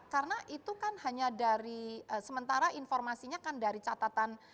karena itu kan hanya dari sementara informasinya kan dari catatan